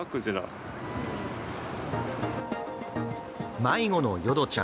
迷子のヨドちゃん。